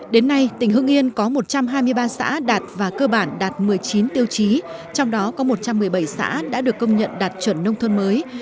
đến nay tỉnh hưng yên có một trăm hai mươi ba xã đạt và cơ bản đạt một mươi chín tiêu chí trong đó có một trăm một mươi bảy xã đã được công nhận đạt chuẩn nông thôn mới